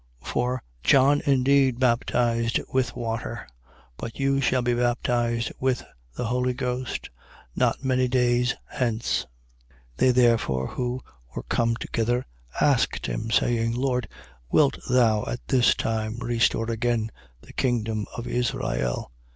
1:5. For John indeed baptized with water: but you shall be baptized with the Holy Ghost, not many days hence. 1:6. They therefore who were come together, asked him, saying: Lord, wilt thou at this time restore again the kingdom of Israel?